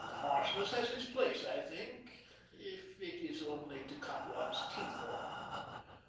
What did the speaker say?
Harshness has its place, I think, if it is only to cut one's teeth on."